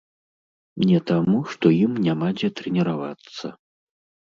Не таму, што ім няма дзе трэніравацца.